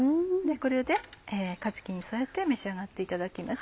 これでかじきに添えて召し上がっていただきます。